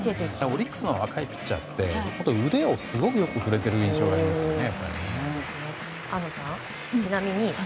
オリックスの若いピッチャーって本当、腕をよくすごく振れている印象がありますね。